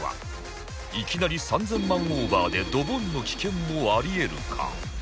いきなり３０００万オーバーでドボンの危険もあり得るか？